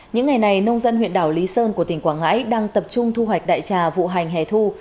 những ngày này nông dân huyện đảo lý sơn của tỉnh quảng ngãi đang tập trung thu hoạch đại trà vụ hành hẻ thu